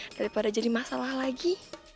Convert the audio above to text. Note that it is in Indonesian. daripada jadi masalah lagi